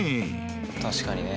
確かにね。